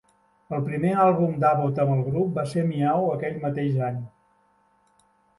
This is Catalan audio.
El primer àlbum d'Abbott amb el grup va ser "Miaow" aquell mateix any.